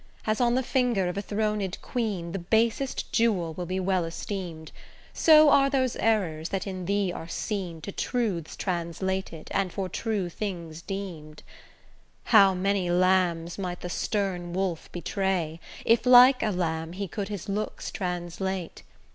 As on the finger of a throned queen The basest jewel will be well esteem'd, So are those errors that in thee are seen To truths translated, and for true things deem'd. How many lambs might the stern wolf betray, If like a lamb he could his looks translate!